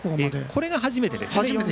これが初めてですね。